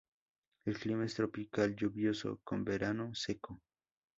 El clima es Tropical Lluvioso, con verano seco.